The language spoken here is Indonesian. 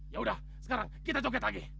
ya udah sekarang kita coket lagi